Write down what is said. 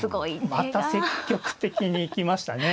また積極的に行きましたね。